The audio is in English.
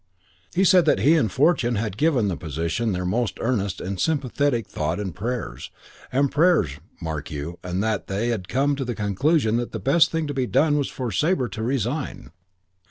He said that he and Fortune had given the position their most earnest and sympathetic thought and prayers and prayers, mark you and that they'd come to the conclusion that the best thing to be done was for Sabre to resign.